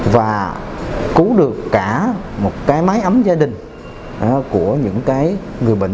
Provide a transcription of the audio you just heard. và cứu được cả một cái máy ấm gia đình của những cái người bệnh